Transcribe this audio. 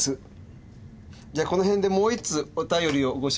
じゃこの辺でもう１通お便りをご紹介しましょう。